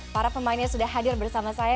para pemainnya sudah hadir bersama saya